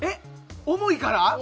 重いから？